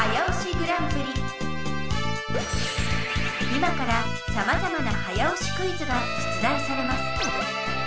今からさまざまな早押しクイズが出だいされます。